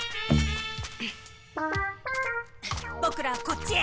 ボクらはこっちへ。